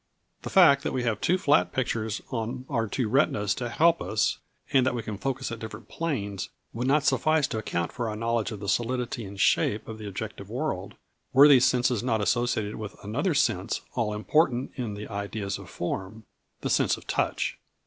The fact that we have two flat pictures on our two retinas to help us, and that we can focus at different planes, would not suffice to account for our knowledge of the solidity and shape of the objective world, were these senses not associated with another sense all important in ideas of form, #the sense of touch#.